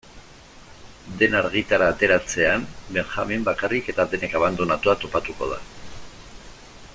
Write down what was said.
Dena argitara ateratzean, Benjamin bakarrik eta denek abandonatua topatuko da.